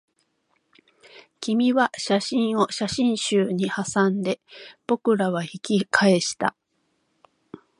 君は写真を写真集にはさんで、僕らは引き返した